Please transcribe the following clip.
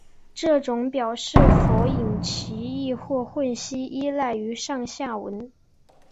这种表示是否引起歧义或混淆依赖于上下文。